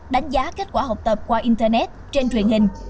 đánh giá kết quả học tập qua internet trên truyền hình